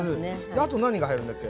あと何が入るんだっけ？